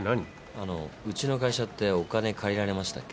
あのうちの会社ってお金借りられましたっけ？